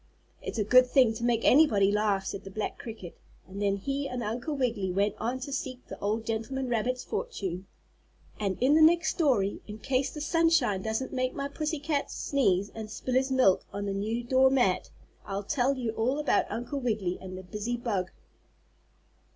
"It's a good thing to make anybody laugh," said the black cricket, and then he and Uncle Wiggily went on to seek the old gentleman rabbit's fortune. And in the next story, in case the sunshine doesn't make my pussy cat sneeze and spill his milk, on the new door mat, I'll tell you all about Uncle Wiggily and the busy bug.